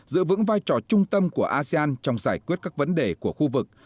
giữ vững vai trò trung tâm của asean trong giải quyết các vấn đề của khu vực